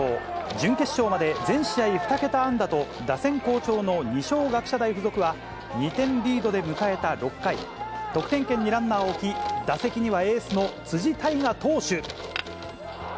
準決勝まで全試合２桁安打と、打線好調の二松学舎大附属は、２点リードで迎えた６回、得点圏にランナーを置き、打席にはエースの辻大雅投手。